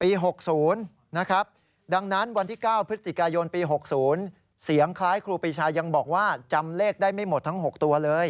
๖๐นะครับดังนั้นวันที่๙พฤศจิกายนปี๖๐เสียงคล้ายครูปีชายังบอกว่าจำเลขได้ไม่หมดทั้ง๖ตัวเลย